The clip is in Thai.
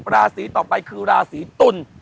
ราศีต่อไปคือราศีตุล